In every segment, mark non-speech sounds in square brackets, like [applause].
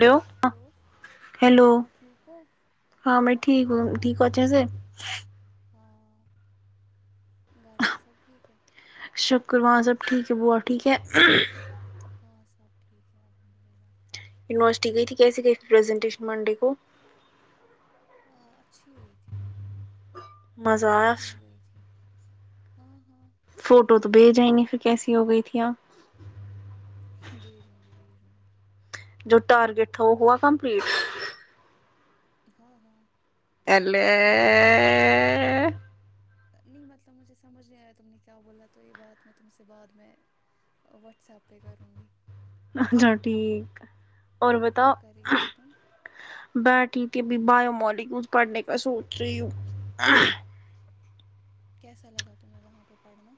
و hello hello ہاں ٹھیک ہو ہاں میں ٹھیک ہ ٹھیک ہو اچھے سے ہاں گھر پہ سب ٹھیک ہے شکر وہاں سب ٹھیک ہے وہ ٹھیک ہے ہاں سب ٹھیک ہے الحمد للہ یونیورسٹی گئی تھی کیسے گی پرزنٹیشن منڈے کو ہاں اچھی ہوئی تھی مزہ آج آیا نہیں گئی تھی ہاں ہاں فوٹو تو بھیجیں نہیں پھر کیسی ہو گئی تھی آپ بھیجوں گی بھیجوں گی جو ٹارگٹ تھا وہ ہوا کمپلیٹ ہاں ہاں الے نہیں مطلب مجھے سمجھ نہیں آیا تم نے کیا بولا تو یہ بات میں تم سے بعد میں وٹس ایپ پہ کروں گی اچھا ٹھیک اور بتاؤ کیا کر رہی تھی تم بیٹی تھی ابھی بایو مالیکولس پڑھنے کا سوچ رہی ہوں کیسا لگا تمہیں وہاں پہ پڑھنا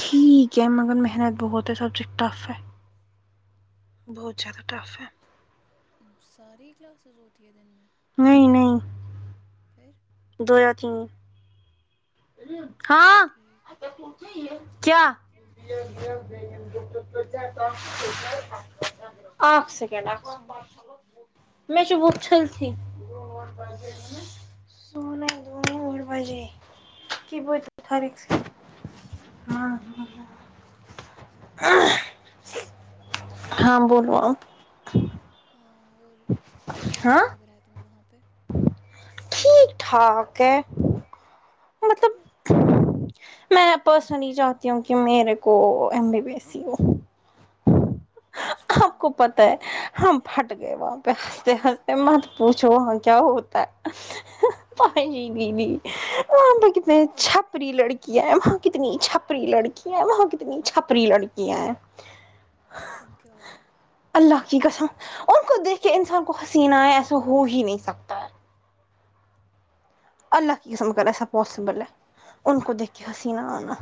ٹھیک ہے مگر محنت بہت ہے سبجیکٹ ٹف ہے بہت زیادہ ٹف ہے ساری کلاسز ہوتی ہے دن میں نہیں نہیں پھر دویا تین [inaudible] اچھا ٹھیک کیا اگ سے کہنا میں شبہ اچھلتھی سولہ دو اور بجے [unintelligible] ہاں ہاں ہاں ہاں بول ہاں بولو اور ہاں کیسا لگ رہا ہے تمہیں وہاں پے ٹھیک ٹھاک ہے مطلب [unintelligible] میں پرسنلی چاہتی ہوں کی میرے کو ایم بی بی ایس سی ہو انشاء آپ اللہ کو ہو پتہ جائے ہے گا ہم پھٹ گئے وہاں پے ہنستے ہنستے مت پوچھو وہاں کیا ہوتا ہے کیوں نہیں نہیں وہاں پے کتنے چھپری لڑکیاں ہے وہاں کتنی چھپری لڑکی کیاں ہیں وہاں کتنی چھپری لڑکیاں ہیں کیوں کیا ہوا اللہ کی قسم ان کو دیکھ کے انسان کو ہنسی نہ آے ایسا ہو ہی نہیں سکتا ہے اللہ کی قسم اگر ہم ایسا پاسبل ہے ان کو دیکھ کے ہنسی نہ آنا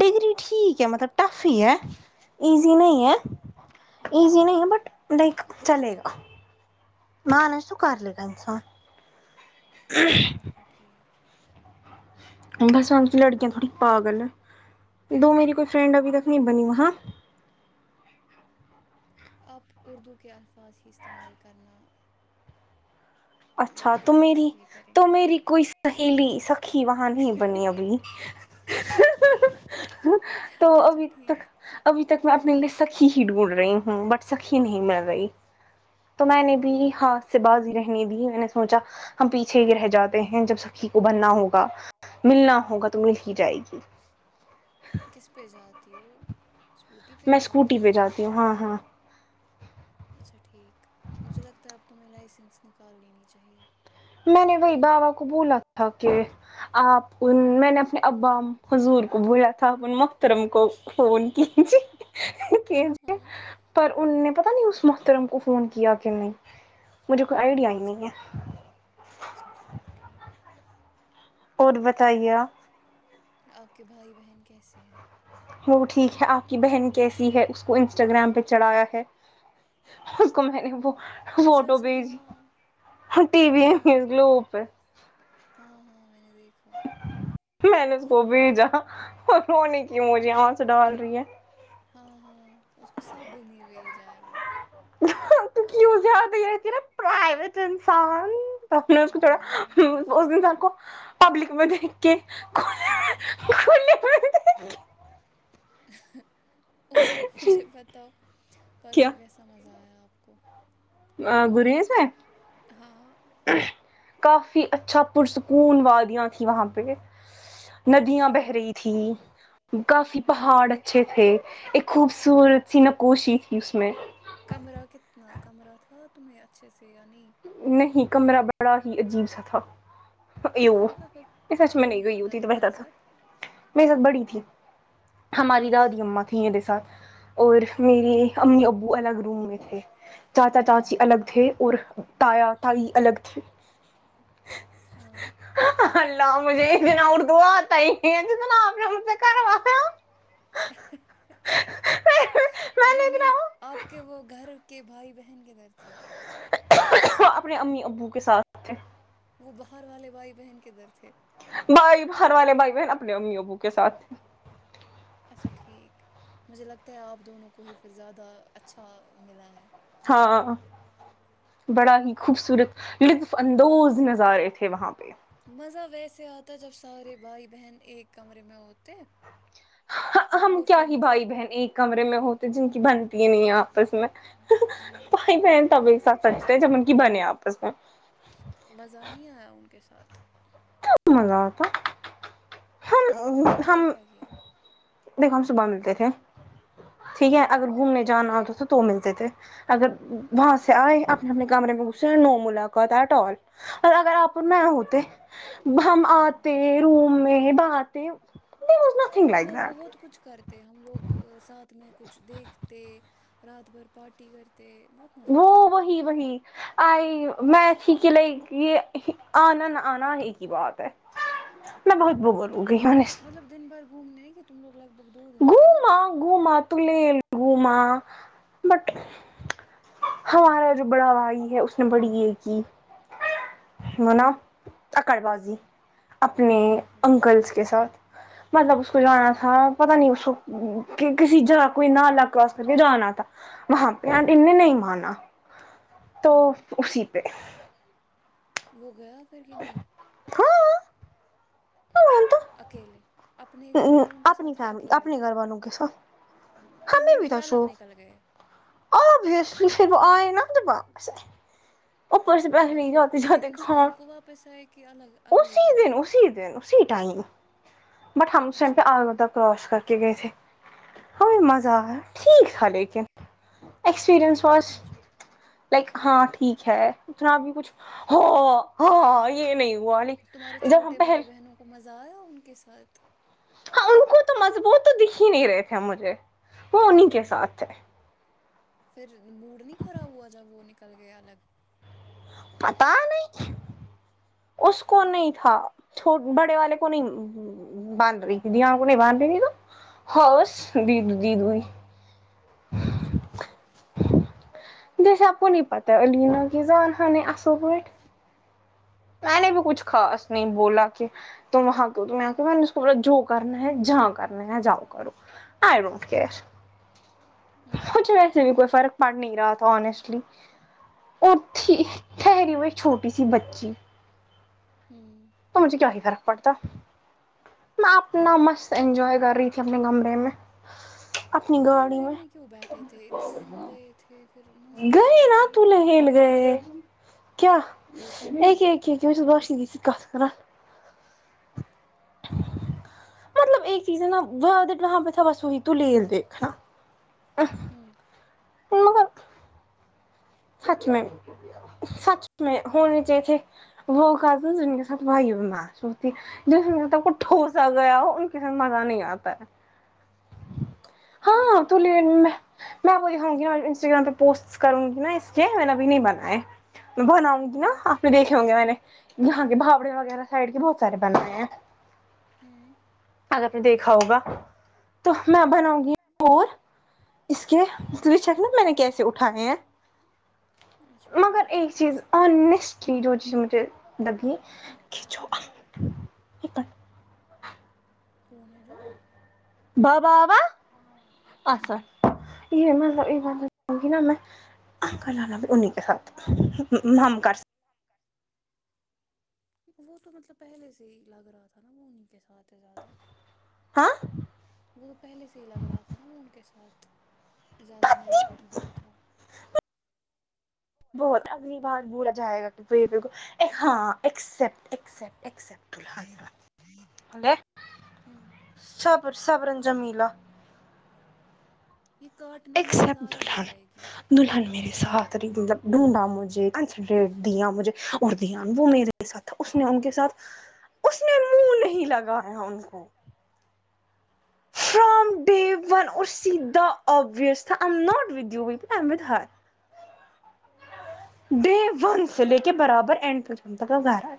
ڈگری ٹھیک ہے مطلب ٹف ہی ہے ایزی نہیں ہاں ہے ہاں ایزی نہیں ہے بٹ لائک چلے گا مانے سو کر لے گا انسان ہ اچھا ٹھیک بس وہاں کی لڑکیاں تھوڑی پاگل ہے دو میری کوئی فرینڈ ابھی تک نہیں بنی وہاں آ آپ اردو کے الفاظ ہی استعمال کرنا اچھا زیادہ تو میری یہ کریں تو میری کوئی سہیلی سکھی وہاں نہیں بنی ابھی تو اچھا ابھی تک ٹھیک ابھی تک میں اپنے لیے سکھی ہی ڈھونڈ رہی ہوں بٹ سکھی نہیں مل رہی تو میں نے او بھی ہاتھ سے بازی رہے ہنے دی میں نے سوچا ہم پیچھے ہی رہ جاتے ہیں جب سکھی کو بننا ہوگا ملنا ہوگا تو مل ہی جائے گی کس پے جاتی ہو اسکوٹی پہ میں ہی اسکوٹی جاتی ہو پے جاتی ہوں ہاں ہاں اچھا ٹھیک مجھے لگتا ہے اب تمہیں لائسنس نکال لینی چاہیے میں نے وہی بابا کو بولا تھا کہ آپ ان میں نے اپنے ابا حضور کو بولا تھا اپن مح ترم کو فون کیجے کی ہاں پر انہوں نے پتہ نہیں اس محترم کو فون کیا کی نہیں مجھے کوئی آئیڈیا ہی نہیں اچھا ہے اچھا ٹھیک ٹھیک اور بتائیے آپ آپ کے بھائی بہن کیسے ہیں ہاں وہ ٹھیک ہے آپ کی بہن کیسی ہے اس کو انسٹاگرام پے چڑھایا ہے اس کو میں نے وہ اچھا فوٹو اچھا بھیجی ہاں ٹی وی ہاں گلو ہے اوپ ہے ہاں ہاں میں نے دیکھا میں نے اس کو بھیجا اور رونے کی مجھے آنسو ڈال رہی ہے ہاں ہاں اس کو سب نے بھیجا ہے وہ تو کیوں پرائیویٹ انسان [unintelligible] آپ نے اس کو چھوڑا ہاں اس انسان کو پبلک میں دیکھ کے کھلے میں دیکھ کے اں ہے اور مجھے بتاؤ کیا پڑسوں کیسا مزہ آیا آپ کو اں گریز ہے ہاں کافی اچھا پرسکون وادیاں تھی وہاں پہ ندیاں بہہ ہاں رہی تھی کافی پہاڑ اچھے تھے ایک خوبصورت سی نکوشی تھی اس میں کمرہ کتنا کمرہ تھا تمہیں اچھے سے یا نہیں نہیں کمرہ بڑا ہی عجیب سا تھا یو نہیں سچ میں نہیں کون گئی کون یو تھا تھی تو بتا تمہارے تھا ساتھ میر ساتھ بڑی تھی ہماری بس دادی اماں تھی مے ساتھ اور میرے امی ابو الگ روم میں تھے چاچا چاچی جی ہاں الگ تھے اور تایا تائی الگ تھے ہاں اللہ مجھے جنا اردو آتا نہی آپتے آپ نی ہم سے کروا رہی ہو ارے نے نہیں اتنا آپ کے وہ گھر کے بھائی بہن کے گھر تھے وہ اپنے امی ابو کے ساتھ وہ باہر والے بھائی بہن کے در تھے بھائی بھر والے بھائی بہن اپنے امی ابو کے ساتھ اچھا ٹھیک مجھے لگتا ہے آپ دونوں کو ہی پھر زیادہ اچھا ملا ہے ہاں بڑا ہی خوبصورت اندوز نظارے تھے وہاں پہ مزہ ویسے آتا جب سارے بھائی بہن ایک کمرے میں ہوتے ہم اور کیا پھر ہی مطلب بھائی بہن ایک کمرے میں ہوتے جن کی بنتی نہیں ہیں آپس میں بھائی بہن وہ تب ایک بات ساتھ بھی ہے سچتے جب ان کی بنے آپس میں مزہ نہیں آیا ان کے ساتھ مزہ آتا ہم دن بھر ہم کیا کیا دیکھو ہم صبح ملتے تھے ٹھیک ہے ہاں اگر گھومنے جانا ہوتا تو تو ملتے تھے اگر وہاں ہاں سے آئے اپنے اپنے کمرے میں گسے نو ملاقات ایٹ آل اور اگر آپ میں ہوتے ہم آتے ہاں روم میں باتے در وز نتنگ وہ بہت کچھ کرتی ہم لوگ ساتھ میں کچھ دیکھتے رات بھر پارٹی کرتے بہت مزہ وہ آتا وہی وہی آئی میںچھی کے یہ آنا نہ آنا ایک ہی بات ہے میں بہت بور تم ہو لوگ گئی ہوں مطلب دن بھر گھومنے ہیں کہ تم لوگ لگ بھگ دو دن تھے نا گووم گووما تول گووما بٹ بٹے ہمارا جو بڑا بھائی ہے اس نے بڑی یہ کی کیا منا آکڑ بؤازی اپنے کیا آکڑ باازی انکلس کے ساتھ مطلب اس کو کیا جانا بولا تھا پتا نہیں اسو کہ کسی جگہ کونا الہ کراس کر کے جانا آ تھا وہاں پہ ہاں ان نے ہ نہیں مانا تو ہاں اسی پہ وہ گیا پھر کہ نہیں ہاں تو اکیلے اپنے گھر والوں کے اپنی ساتھ کے فیملی اکیلے اپنے گھر والوں کے ساتھ تو وہ ہمیں لوگ بھی پھر الگ نکل گئے اس اس سے وہ آۓ نہ دبئی سے اپر سے پیسے نہیں پھر جاتے اسی جاتے دن کہا شام کو واپس آئے کہ الگ اگلے اسی دن اسی دن اسی ٹائم بٹ ہم سم اچھا پہ ٹھیک آرمودہ کراس کر کے گئے تھے ہم مزہ آیا ٹھیک تھا لیکن ایکسپریئنس اچھا لائک ہاں ٹھیک ہے اتنا بھی کچھ ہاں ہاں یہ نہیں ہوا نہیں تہمارے چھوٹے بھائی بہنوں کو مزہ آیا ان کے ساتھ ہاں ان کو تو مضبوط تو دیکھی نہیں رہے تھے مجھے وہ انہیں کے ساتھ تھے پھر موڈ نہیں خراب ہوا جب وہ نکل گیا الگ پتا نہیں اس کو نہیں تھا چھو بڑے والے کو نہیں [unintelligible] اچھا ٹھیک جیسا آپکو نہیں پتا [unintelligible] میں ہاں نے بھی وہ کچھ تو ہے خاص نہیں بولا کہ تم وہاں تم میں نے اس کو بولا جو کرنا ہے جہاں کرنا ہے جاؤ کرو آئی ڈونٹ کیئر ہوں کچھ نہیں سے بھی کوئی فرق پڑ نہیں رہا تھا آنیسٹلی اور تھی ٹھیری میں ایک چھوٹی سی بچی ہوں تو مجھے کیا ہی فرق پڑتا میں اپنا مست انجوائے کر رہی تھی اپنے کمرے میں اپنی گاڈ کمرے میں کیوں بیٹھے تھے اتنا گئے تھے پھر مزے گئے کرنے نا تھے تو حل گئے کیا [unintelligible] مطلب ایک چیز ہے نا [unintelligible] تھا بس وہی تو ریل دیکھنا ھمم مگر سچ میں سچ میں ہونی چاہیے تھی [unintelligible] جس کو تم کو ٹھوسا گیا ہو ان کے ساتھ مزہ نہیں آتا ہے ہاں تو لے لی میں میں آپ کو دکھاؤ گی نا انسٹاگرام پہ پوسٹ کروں گی نا اس کے میں نے ابھی نہیں بنائے میں بناؤں ہاں گی نا آپ نے دیکھے ہوں گے میں نے یہاں کے بھاوڑے وغیرہ سائڈ کے بہت سارے بنائے ہیں ھمم اگر آپ نے دیکھا ہوگا تو میں ہوں بناؤں گی مور اس کے اس ہاں لی چیک نا میں نے کیسے اٹھائے ہیں اچھا مگر ٹھیک ایک چیز آنیسٹلی جو چیزیں مجھے لگی [unintelligible] کون ہے جو با با با اسد [unintelligible] آپ کال انا بھی انہی کے ساتھ ہم کر سک وہ تو مطلب پہلے سے ہی لگ رہا تھا نا وہ انہیں کے ساتھ ہے زیادہ ہاں وہ تو پہلے سے ہی لگ رہا تھا نا وہ ان کے ساتھ زیادہ مل جل تھا بہت اگلی بار بولا جائے گا کہ یہ بات کو ہاں ایکسپٹ ایکسپٹ ایکسپٹ ہوں [unintelligible] صبر صبرن جمیلہ یہ کاٹنا نہیں ایکسپٹ ضائع ہو دلہن جائے گی دلہن میرے ساتھ رہی ڈھونڈا مجھے کنسنٹریٹ دیا مجھے اور دھیان وہ میرے ساتھ اس نے ان کے ساتھ اس نے منہ نہیں لگایا ان کو فرام ڈے ون اور سید دا اوبویئس تھا I am not with you well I am with her day one سے لے کے برابر اینڈ تک گھر آ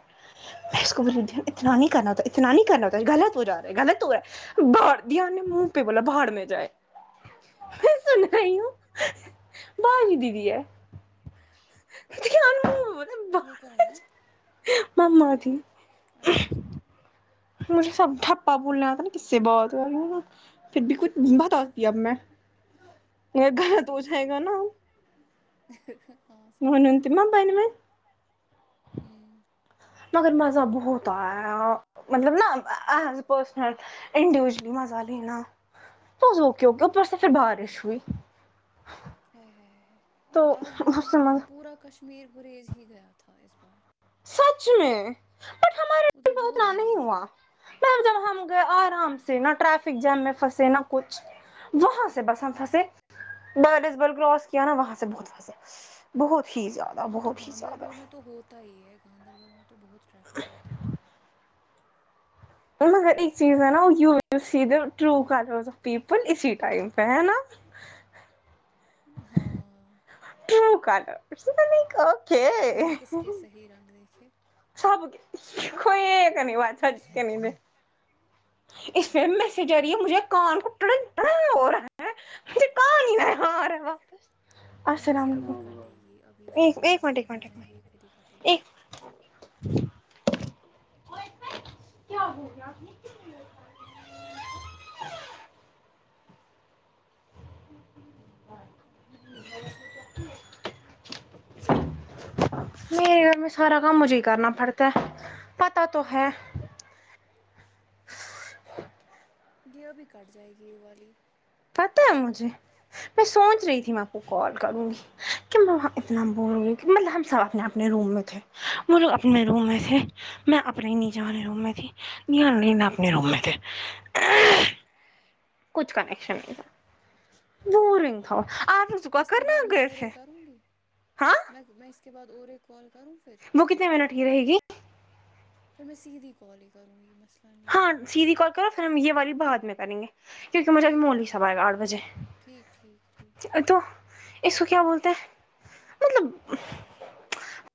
میں اس کو بولی تھی اتنا نہیں اچھا کرنا ہوتا اتنا نہیں کرنا ہوتا غلط ہو جارا ہے غلط ہوا ہے باہر دھیان [unintelligible] نے منہ پہ بولا بھاڑ میں جائے سنا ہوں بجی دییدی [unintelligible] ہے کیا [unintelligible] یہ کون ہے ممما تھی اچھا اچھا مجھے سب تھپپا بولنے آ تھا نا کس سے بہت پھر بھی کچھ اچھا بتا اچھا دیا اب میں یہ غلط ہو صحیح جائے صحیح گا نا ہاں صحیح بات ہے [unintelligible] میں ہمم مگر مزہ بہت آیا مطلب نا ایز اے پرسنل انڈیویژلی مزہ لینا توک [unintelligible] اوپر سے پھر بارش ہوئی ہائے ہائے تو آج مطلب اس سے مزہ پورا کشمیر گریز ہی گیا تھا اس بار سچ میں بٹ ہمارے لیے ادھر بہت ران بھیڑ نہیں تھی ہوا میم جب ہم گئے آرام سے نہ ٹریفک جیم میں پھنسے نہ کچھ وہاں سے بس ہم پھنسے [unintelligible] ڈس بل کراس کیا نا وہاں سے بہت پھنسے بہت ہی زیادہ ہاں تو بہت ہی زیادہ گاندربل میں تو ہوتا ہی ہے گاندربل میں تو بہت ٹریفک ہوتا ہے مگر ایک چیز ہے نا you see the true [unintelligible] people اسی ٹائم پہ ہے نا ہاں ٹرو کالا [unintelligible] نہیں تم نے کس کے صحیح رنگ دیکھے سب کوئی ایک نہیں بچا جس اچھا کے اچھا نہیں اس فم اچھا میں سے اچھا جریعے مجھے کان [unintelligible] کٹناٹنا ہو رہا ہے مجک رہ ہار ہے واں بس یہ ابھی کٹے گی ابھی اس کو ایک بارہ ایک ایک منٹ ہو ایک جائیں گے یہ خود ہی کٹے گی ایک کیا ہو گیا [inaudible] میرے گھر میں سارا کام مجھے کرنا پڑتا ہے پتا تو ہے یہ ابھی کٹ جائے گی یہ والی پتا ہے کال مجھے میں سوچ رہی تھی میں آپ کو کال کروں گی کہ میں وہاں اتنا بور ہو گی کہ مطلب ہم سب اپنے اپنے روم میں تھے وہ لوگ اپنے روم میں تھے میں اپنے نیچے والے روم میں تھی نہیں آان لا [unintelligible] اپنے روم تھے کچھ کنیکشن نہیں تھا دور تھا وہ آپ کا اس کے کرنا بعد میں گئے اورے تھے کروں گی ہاں میں میں اس کے بعد اور ایک کال کروں پھر وہ کتنے منٹ کی رہے گی پھر میں سیدھی کال ہی کروں گی مسئلہ نہیں ہے ہاں سیدھی کال کرو پھر ہم یہ والی بعد میں کریں گے کیونکہ مجھے ابھی ٹھیک ہے مولی صاحب ٹھیک آے وے ہے آٹھ بجے ٹھیک ٹھیک ٹھیک تو اس کو کیا بولتے ہیں مطلب